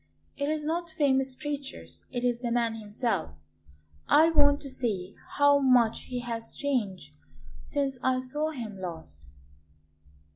"It is not famous preachers; it is the man himself; I want to see how much he has changed since I saw him last."